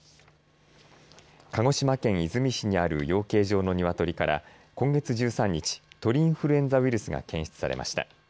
鹿児島県出水市にある養鶏場のニワトリから今月１３日、鳥インフルエンザウイルスが検出されました。